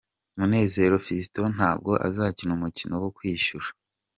Munezero Fiston ntabwo azakina umukino wo kwishyura .